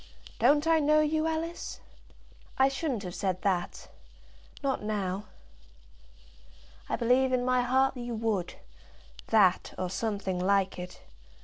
Don't I know you, Alice?" "I shouldn't have said that; not now." "I believe in my heart you would; that, or something like it.